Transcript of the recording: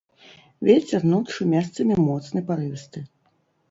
Вецер ноччу месцамі моцны парывісты.